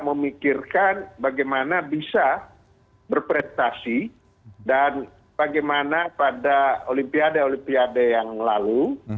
saya mau mereka mikirkan bagaimana bisa berprestasi dan bagaimana pada olimpiade olimpiade yang lalu